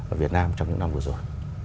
ở việt nam trong những năm vừa rồi